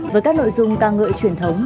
với các nội dung ca ngợi truyền thống